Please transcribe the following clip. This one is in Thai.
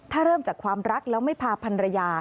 ถ้าเริ่มจากความรักแล้วไม่พาพันรยา